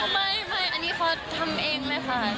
ไม่อันนี้ขอทำเองเลยค่ะ